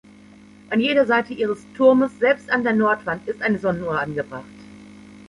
An jeder Seite ihres Turmes, selbst an der Nordwand, ist eine Sonnenuhr angebracht.